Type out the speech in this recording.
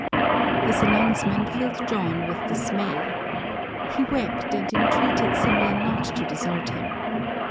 This announcement filled John with dismay. He wept, and entreated Symeon not to desert him.